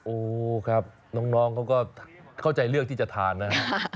โอ้ครับน้องเขาก็เข้าใจเลือกที่จะทานนะฮะ